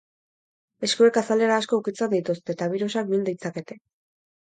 Eskuek azalera asko ukitzen dituzte, eta birusak bil ditzakete.